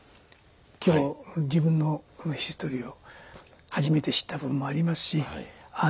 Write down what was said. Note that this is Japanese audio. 今日自分のこのヒストリーを初めて知った部分もありますしああ